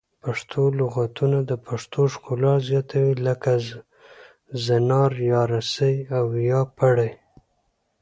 پښتو لغتونه د پښتو ښکلا زیاتوي لکه زنار یا رسۍ او یا پړی